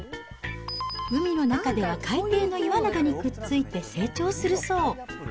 海の中では海底の岩などにくっついて成長するそう。